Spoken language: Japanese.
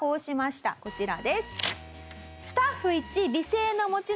こちらです。